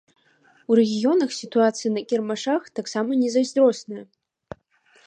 У рэгіёнах сітуацыя на кірмашах таксама незайздросная.